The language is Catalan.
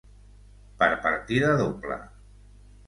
Per partida doble.